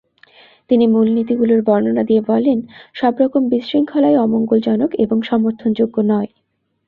তিনি মূলনীতিগুলোর বর্ণনা দিয়ে বলেন সবরকম বিশৃঙ্খলাই অমঙ্গলজনক এবং সমর্থনযোগ্য নয়।